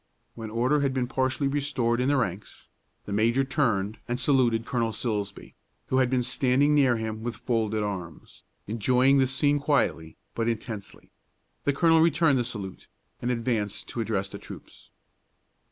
When order had been partially restored in the ranks, the major turned and saluted Colonel Silsbee, who had been standing near him, with folded arms, enjoying the scene quietly, but intensely. The colonel returned the salute, and advanced to address the troops.